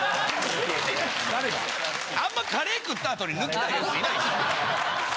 あんまカレー食った後にぬきたいやついないでしょ？